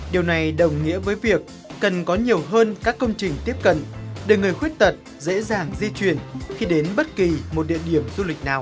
điều này đồng nghĩa với việc cần có nhiều hơn các công trình tiếp cận để người khuyết tật dễ dàng di chuyển khi đến bất kỳ một địa điểm du lịch nào